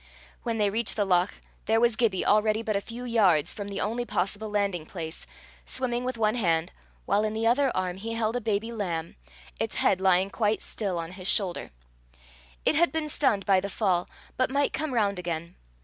When they reached the loch, there was Gibbie already but a few yards from the only possible landing place, swimming with one hand, while in the other arm he held a baby lamb, its head lying quite still on his shoulder: it had been stunned by the fall, but might come round again.